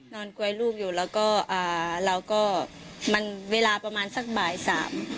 กวยลูกอยู่แล้วก็อ่าเราก็มันเวลาประมาณสักบ่ายสาม